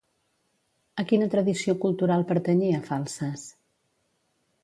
A quina tradició cultural pertanyia Falces?